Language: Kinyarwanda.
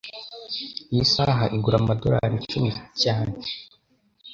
Iyi saha igura amadorari icumi cyane.